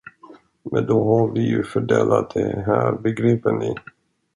Men då har vi ju fördelat det här, begriper ni.